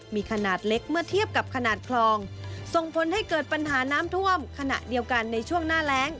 มีขนาดเล็กเมื่อเทียบกับขนาดคลองส่งผลให้เกิดปัญหาน้ำท่วมขณะเดียวกันในช่วงหน้าแรง